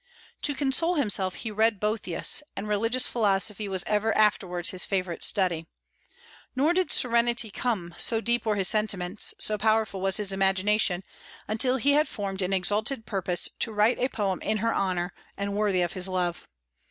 To console himself, he read Boëthius, and religious philosophy was ever afterwards his favorite study. Nor did serenity come, so deep were his sentiments, so powerful was his imagination, until he had formed an exalted purpose to write a poem in her honor, and worthy of his love.